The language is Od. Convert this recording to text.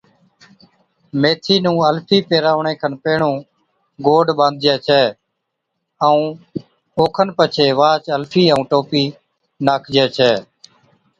ميٿِي نُون الفِي پيھراوَڻي کن پيھڻُون گوڏ ٻانڌجَي ڇَي، ائُون اوکن پڇي واھچ الفِي ائُون ٽوپِي ناکجَي ڇَي